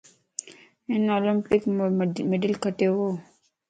ھن اولمپڪ مڊل کٽيو وَ